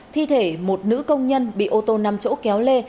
thi thể một nữ công nhân bị ô tô năm chỗ kéo lê